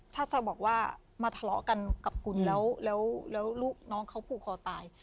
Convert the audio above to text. ถ้าจะบอกว่ามาทะเลาะกันกับคุณแล้วลูกน้องเขาผูกคอตาย